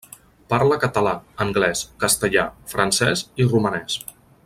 Parla català, anglès, castellà, francès i romanès.